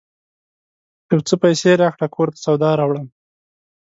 یو څه پیسې راکړه ! کور ته سودا راوړم